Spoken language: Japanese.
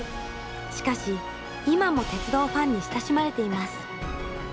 しかし今も鉄道ファンに親しまれています。